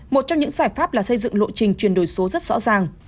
một trong những giải pháp là xây dựng lộ trình chuyển đổi số rất rõ ràng